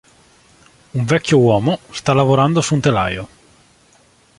Un vecchio uomo, sta lavorando su un telaio.